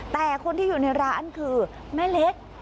แต่คนที่อยู่ในร้านคือแม่เล็ก